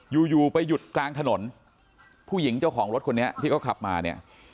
อยู่อยู่ไปหยุดกลางถนนผู้หญิงเจ้าของรถคนนี้ที่เขาขับมาเนี่ย